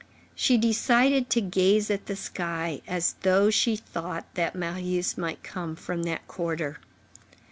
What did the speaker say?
She decided to gaze at the sky, as though she thought that Marius might come from that quarter.